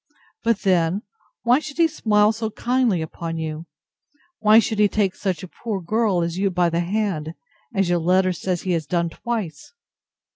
But, then, why should he smile so kindly upon you? Why should he take such a poor girl as you by the hand, as your letter says he has done twice?